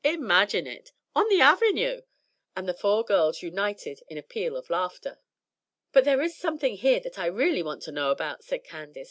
Imagine it, on the Avenue!" And the four girls united in a peal of laughter. "But there is something here that I really want to know about," said Candace.